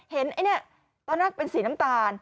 เห็นไอหน้าตอนนั้นเป็นสีน้ำตาล